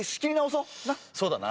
そうだな。